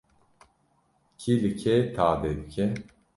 Kî li kê tade dike?